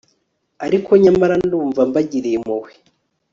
ariko nyamara ndumva mbagiriye impuhwe